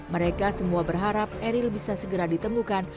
mereka semua berharap eril bisa segera ditemukan